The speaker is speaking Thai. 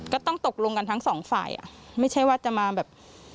ก็ต้องตกลงกันทั้งสองฝ่ายอ่ะไม่ใช่ว่าจะมาแบบ